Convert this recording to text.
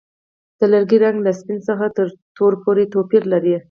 د لرګي رنګ له سپین څخه تر تور پورې توپیر لري.